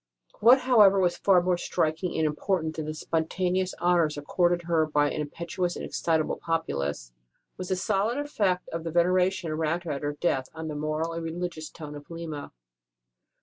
What, however, was far more striking and impor tant than the spontaneous honours accorded her by an impetuous and excitable populace, was the solid effect of the veneration aroused at her death on the moral and religious tone of Lima.